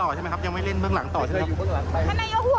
ท่านนายเยาะห่วงการชมนุมหน้าศพายังไงมั้ยคะ